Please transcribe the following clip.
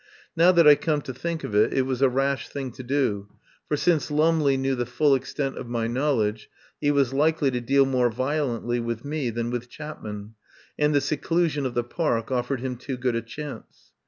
Now that I come to think of it, it was a rash thing to do, for since Lumley knew the full extent of my knowledge, he was likely to deal more violently with me than with Chapman, and the seclusion of the Park offered him too good a chance.